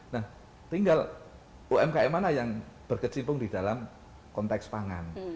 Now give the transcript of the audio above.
nah tinggal umkm mana yang berkecimpung di dalam konteks pangan